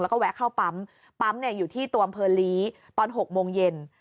แล้วก็แวะเข้าปั๊มปั๊มอยู่ที่ตัวอำเภอลีตอน๖โมงเย็น